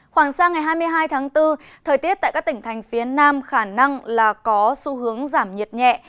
khoảng sang ngày hai mươi hai tháng bốn thời tiết tại các tỉnh thành phía nam khả năng là có xu hướng giảm nhiệt nhẹ